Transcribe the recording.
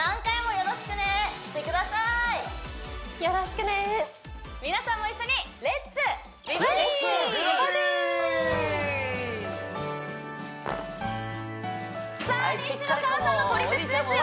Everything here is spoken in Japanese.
よろしくね皆さんも一緒に西野カナさんの「トリセツ」ですよ